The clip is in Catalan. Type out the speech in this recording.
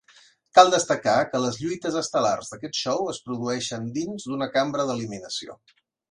Cal destacar que les lluites estel·lars d'aquest show es produeixen dins d'una cambra d'eliminació.